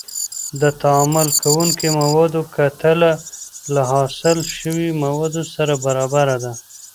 د تعامل کوونکو موادو کتله له حاصل شویو موادو سره برابره ده.